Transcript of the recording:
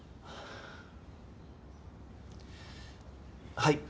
はい。